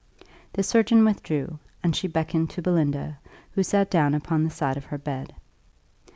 The surgeon withdrew, and she beckoned to Belinda, who sat down upon the side of her bed.